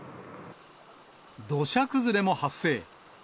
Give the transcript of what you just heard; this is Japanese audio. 土砂崩れも発生。